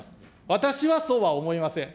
私はそうは思いません。